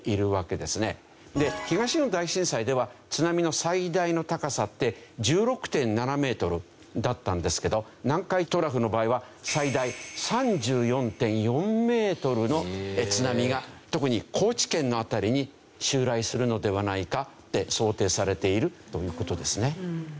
東日本大震災では津波の最大の高さって１６．７メートルだったんですけど南海トラフの場合は最大３４．４メートルの津波が特に高知県の辺りに襲来するのではないかって想定されているという事ですね。